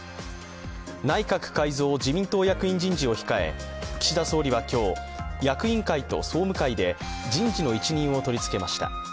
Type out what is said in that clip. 内閣改造・自民党役員人事を控え岸田総理は今日、役員会と総務会で人事の一任を取りつけました